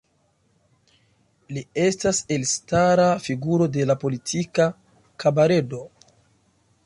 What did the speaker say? Li estas elstara figuro de la politika kabaredo.